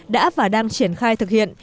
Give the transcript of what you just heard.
đã và đang triển khai thực hiện